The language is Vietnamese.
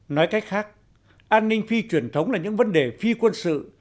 nói cách khác an ninh phi truyền thống là những vấn đề phi quân sự